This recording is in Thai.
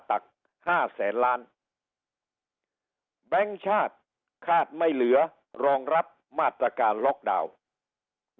ตักห้าแสนล้านแบงค์ชาติคาดไม่เหลือรองรับมาตรการล็อกดาวน์